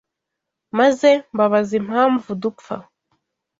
maze mbabaza impamvu dupfa